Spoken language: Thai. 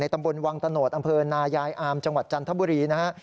ตำบลวังตะโนธอำเภอนายายอามจังหวัดจันทบุรีนะฮะ